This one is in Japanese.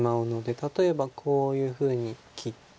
例えばこういうふうに切ったり。